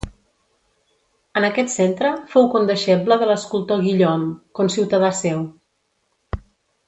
En aquest centre fou condeixeble de l'escultor Guillaume, conciutadà seu.